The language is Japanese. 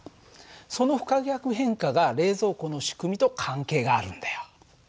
その不可逆変化が冷蔵庫の仕組みと関係があるんだよ。